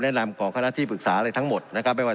แนะนำกเปาร์คนัธรภิปึกษาเลยทั้งหมดนะครับไม่ว่า